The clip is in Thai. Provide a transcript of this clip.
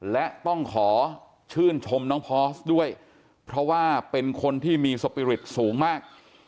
และต้องขอชื่นชมน้องพอสด้วยเพราะว่าเป็นคนที่มีสปีริตสูงมาก